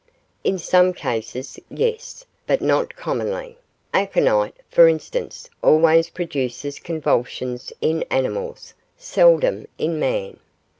In some cases, yes, but not commonly; aconite, for instance, always produces convulsions in animals, seldom in man.